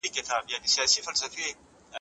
که پلان جوړ سوی وای نو ګډوډي نه رامنځته کېده.